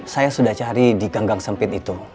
saya sudah cari di gang gang sempit itu